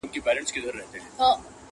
زه و خدای چي زړه و تن مي ټول سوځېږي,